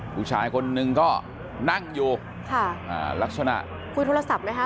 ผู้ชายคนนึงก็นั่งอยู่ค่ะอ่าลักษณะคุยโทรศัพท์ไหมคะ